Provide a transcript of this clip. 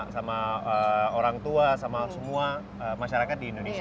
sama orang tua sama semua masyarakat di indonesia